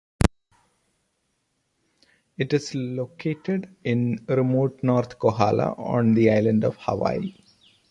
It is located in remote North Kohala on the Island of Hawaii.